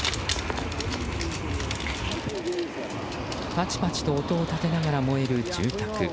ぱちぱちと音を立てながら燃える住宅。